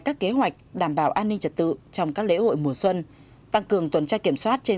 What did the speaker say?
các kế hoạch đảm bảo an ninh trật tự trong các lễ hội mùa xuân tăng cường tuần tra kiểm soát trên